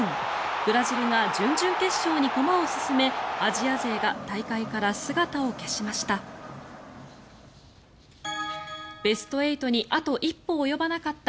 ブラジルが準々決勝に駒を進めアジア勢が大会から姿を消しました。